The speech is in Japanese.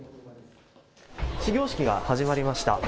始業式が始まりました。